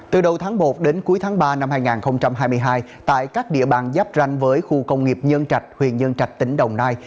từ đầu tháng một đến cuối tháng ba năm hai nghìn hai mươi hai tại các địa bàn giáp ranh với khu công nghiệp nhân trạch huyện nhân trạch tỉnh đồng nai